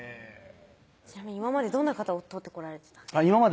ちなみに今までどんな方を撮ってこられてたんですか？